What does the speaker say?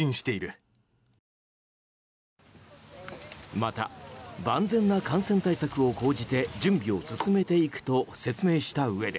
また万全な感染対策を講じて準備を進めていくと説明したうえで